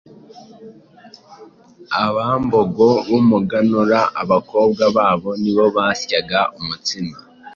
Abambogo b’umuganura”. Abakobwa babo ni bo basyaga umutsima